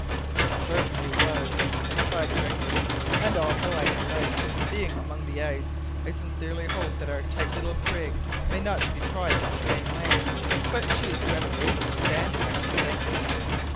"It certainly was," replied Gregory; "and although I delight in being among the ice, I sincerely hope that our tight little brig may not be tried in the same way. But she is better able to stand it, I should think."